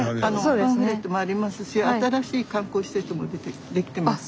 パンフレットもありますし新しい観光施設も出来てますし。